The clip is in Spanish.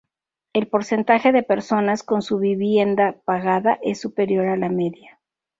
El porcentaje de personas con su vivienda pagada es superior a la media.